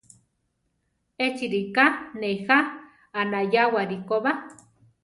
Échi ríka nejá anayáwari koba.